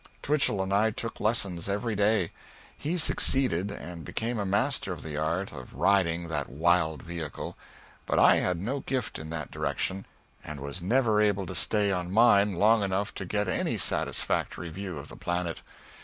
Twichell and I took lessons every day. He succeeded, and became a master of the art of riding that wild vehicle, but I had no gift in that direction and was never able to stay on mine long enough to get any satisfactory view of the planet.